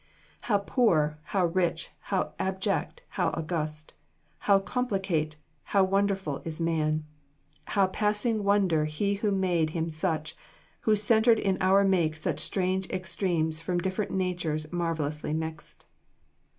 "How poor, how rich, how abject, how august, How complicate, how wonderful is man; How passing wonder He who made him such, Who centered in our make such strange extremes From different natures marvelously mixed."